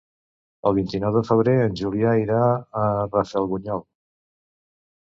El vint-i-nou de febrer en Julià irà a Rafelbunyol.